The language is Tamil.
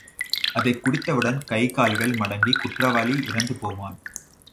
அதைக் குடித்தவுடன் கைகால்கள் மடங்கிக் குற்றவாளி இறந்து போவான்.